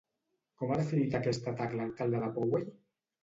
Com ha definit aquest atac l'alcalde de Poway?